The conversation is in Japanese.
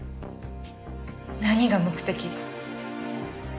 何が目的？